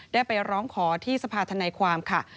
ได้ไปร้องขอที่สภาธนายความค่ะ